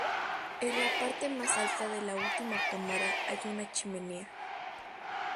En la parte más alta de la última cámara hay una chimenea.